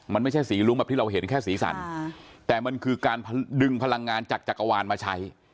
มันไม่ใช่สีลุ้งแบบที่เราเห็นแค่สีสันแต่มันคือการดึงพลังงานจากจักรวาลมาใช้